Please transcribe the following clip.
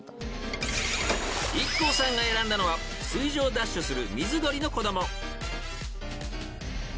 ［ＩＫＫＯさんが選んだのは水上ダッシュする水鳥の子供］